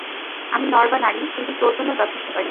আমি নর না নারী, কিন্তু তোর জন্য যথেষ্টকারী!